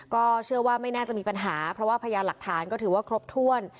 ก็เชื่อว่าไม่น่าจะมีปัญหาเพราะว่าพยานหลักฐานก็ถือว่าครบถ้วน